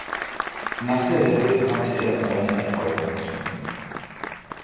Nach der Wende konnte er an seinen Erfolg anknüpfen.